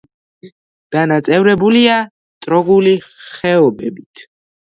დანაწევრებულია ტროგული ხეობებით.